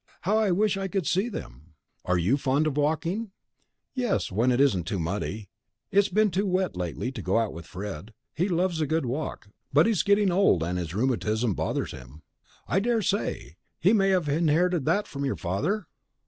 How I wish I could see them! Are you fond of walking?" "Yes, when it isn't too muddy. It's been too wet lately to go out with Fred. He loves a good long walk, but he's getting old and his rheumatism bothers him." "I dare say he may have inherited that from your father?"